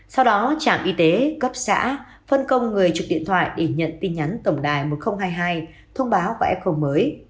sau đó trạm y tế cấp xã phân công người chụp điện thoại để nhận tin nhắn tổng đài một nghìn hai mươi hai thông báo và f mới